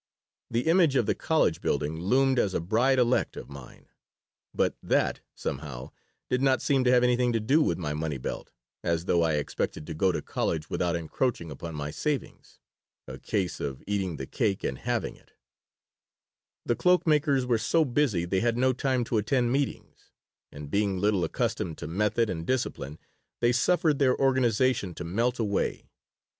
The image of the college building loomed as a bride elect of mine. But that, somehow, did not seem to have anything to do with my money belt, as though I expected to go to college without encroaching upon my savings a case of eating the cake and having it The cloak makers were so busy they had no time to attend meetings, and being little accustomed to method and discipline, they suffered their organization to melt away.